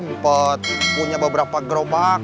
sempat punya beberapa gerobak